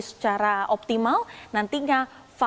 kemudian di dalam perjalanan ke negara